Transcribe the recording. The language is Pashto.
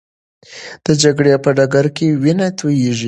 د جګړې په ډګر کې وینه تویېږي.